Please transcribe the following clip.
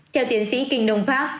theo tiến sĩ kinh nông pháp